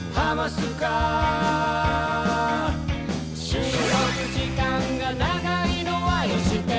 「収録時間が長いのはよして！」